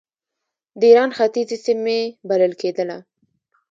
د ایران ختیځې سیمې بلل کېدله.